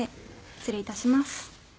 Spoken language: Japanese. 失礼いたします。